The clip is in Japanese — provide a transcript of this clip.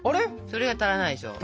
それは足らないでしょ。